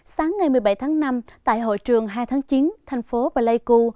sáng ngày một mươi bảy tháng năm tại hội trường hai tháng chín thành phố pleiku